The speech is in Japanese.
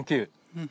うん。